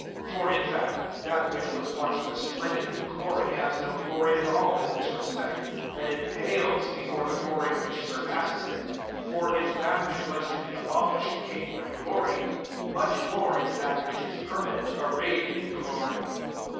003:010 For, in fact, that which was once resplendent in glory has no glory at all in this respect, that it pales before the glory which surpasses it. 003:011 For if that which was to be abolished came with glory, much more is that which is permanent arrayed in glory.